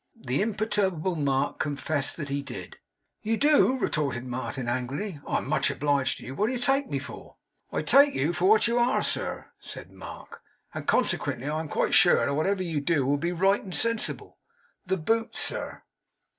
The imperturbable Mark confessed that he did. You do!' retorted Martin angrily. 'I am much obliged to you. What do you take me for?' 'I take you for what you are, sir,' said Mark; 'and, consequently, am quite sure that whatever you do will be right and sensible. The boot, sir.